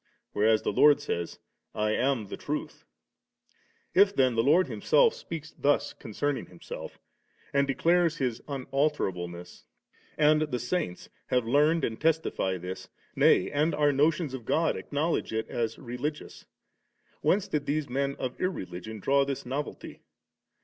whereas the Lord says, * I am the Truths.* If then the Lord Himself speaks thus concerning Himself, and declares His unalterableness, and the Saints have learned and testify this, nay and our notions of God acknowledge it as religious, whence did these men of irreligion draw this novelty?